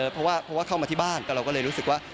เพราะว่าเข้ามาที่บ้านเราก็เลยรู้สึกว่า